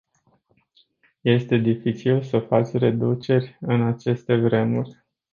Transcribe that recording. Este dificil să faci reduceri în aceste vremuri.